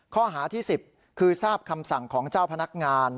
ข้อหาที่๑๐คือทราบคำสั่งของเจ้าพนักงาน